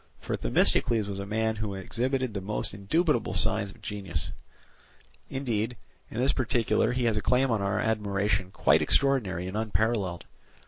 For Themistocles was a man who exhibited the most indubitable signs of genius; indeed, in this particular he has a claim on our admiration quite extraordinary and unparalleled.